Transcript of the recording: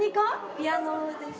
ピアノです。